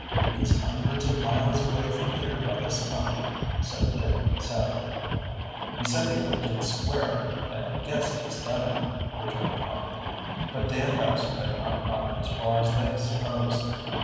"He is hundreds of miles away from here by this time," said Dick sadly. "He said he would get square, and I guess he has done it," returned Tom. But Dan Baxter had not gotten as far as they supposed.